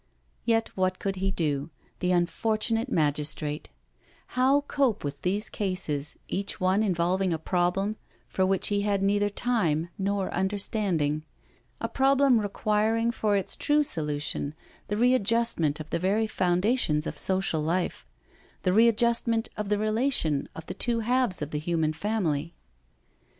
Yet what could he do, the unfortunate magistrate I How cope with these cases, each one involving a problem for which he had neither time nor under standing, a problem requiring for its true solution the readjustment of the very foundations of social life, the readjustment of the relation of the two halves of the human family.